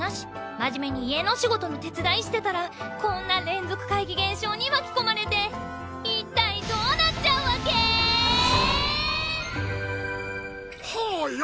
真面目に家のお仕事の手伝いしてたらこんな連続怪奇現象に巻き込まれて一体どうなっちゃうわけ⁉はぁや！